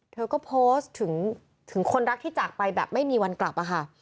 เธอก็โพสต์ถึงคนรักที่จากไปแบบไม่มีวันกลับอะค่ะ